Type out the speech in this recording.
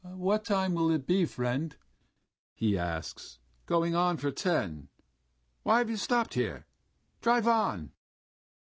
"What time will it be, friend?" he asks. "Going on for ten.... Why have you stopped here? Drive on!"